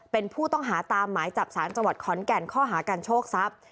เป็นผู้ต้องหาตามหมายจับสารจังหวัดขอนแก่นข้อหาการโชคทรัพย์